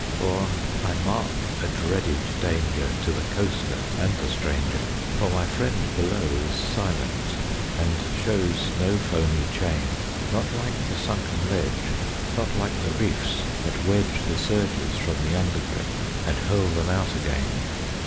For I mark a dreaded danger To the coaster and the stranger, For my friend below is silent And shows no foamy chain. Not like the sunken ledge; Not like the reefs that wedge The surges from the undergrip And hurl them out again.